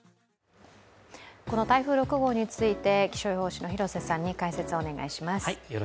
この台風６号について、気象予報士の広瀬さんに解説をお願いします。